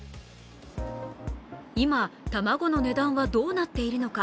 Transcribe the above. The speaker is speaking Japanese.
今、卵の値段はどうなっているのか？